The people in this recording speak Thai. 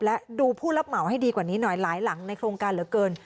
และดูผู้รับเหมาให้ดีกว่านี้หน่อยหลายหลังในโครงการเหลือเกิน